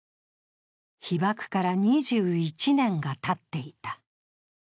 被爆から２１年がたっていた。